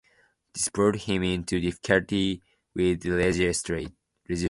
This brought him into difficulty with the legislature.